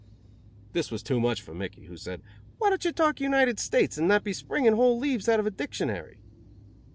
This was too much for Mickey, who said: "Why don't you talk United States and not be springing whole leaves out of a dictionary?"